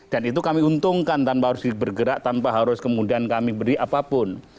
dan itu kami untungkan tanpa harus bergerak tanpa harus kemudian kami beri apapun